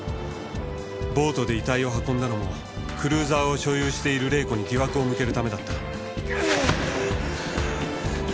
ボートで遺体を運んだのもクルーザーを所有している玲子に疑惑を向けるためだった。